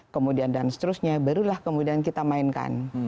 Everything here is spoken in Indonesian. kemudian dan seterusnya barulah kemudian kita mainkan